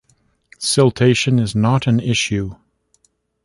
Siltation is not an issue.